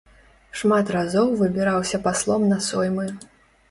Шмат разоў выбіраўся паслом на соймы.